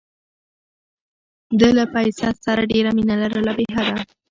ده له پسه سره ډېره مینه لرله بې حده.